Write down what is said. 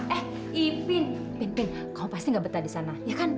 eh ipin ipin ipin kamu pasti gak betah disana ya kan